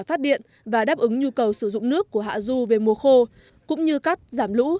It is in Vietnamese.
phát điện và đáp ứng nhu cầu sử dụng nước của hạ du về mùa khô cũng như cắt giảm lũ